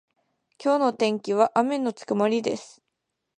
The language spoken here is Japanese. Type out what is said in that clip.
今日の天気は雨のち曇りです。